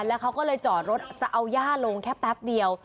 แล้วเขาก็เลยจอดรถจะเอาย่าลงแค่แป๊บเดียว